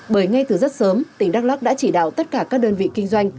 bởi ngay từ rất sớm tỉnh đắk lắc đã chỉ đạo tất cả các đơn vị kinh doanh